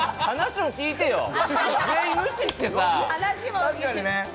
話を聞いてよ！